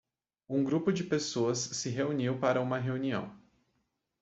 Um grupo de pessoas se reuniu para uma reunião.